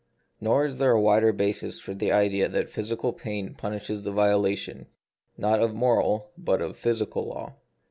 Nor is there a wider basis for the idea that physical pain punishes the violation, not of moral, but of physical law.